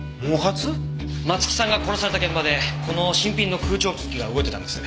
松木さんが殺された現場でこの新品の空調機器が動いてたんです。